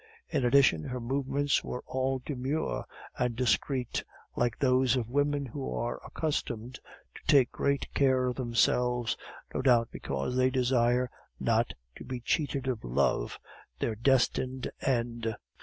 In addition, her movements were all demure and discreet, like those of women who are accustomed to take great care of themselves, no doubt because they desire not to be cheated of love, their destined end.